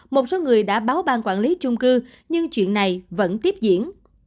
một số người đã báo ban quản lý chung cư nhưng chuyện này vẫn tiếp diễn